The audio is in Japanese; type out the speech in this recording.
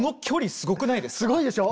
すごいでしょ。